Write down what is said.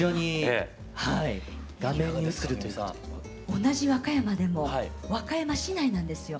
同じ和歌山でも和歌山市内なんですよ。